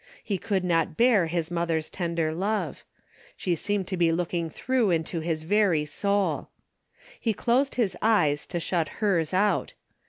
He could not bear his mother's tender love. She seemed to be looking through into his very soul. He closed his eyes to shut hers out.